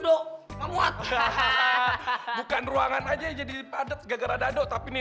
dong nggak muat hahaha bukan ruangan aja jadi padat gara gara dadok tapi nih